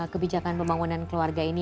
kebijakan pembangunan keluarga ini